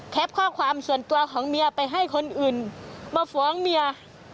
ข้อความส่วนตัวของเมียไปให้คนอื่นมาฟ้องเมีย